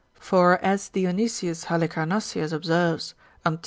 For as Dionysius Halicarnassaeus observes, Antiq.